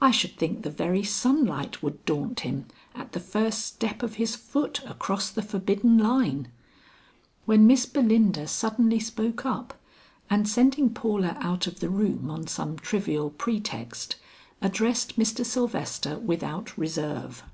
I should think the very sunlight would daunt him at the first step of his foot across the forbidden line," when Miss Belinda suddenly spoke up and sending Paula out of the room on some trivial pretext, addressed Mr. Sylvester without reserve.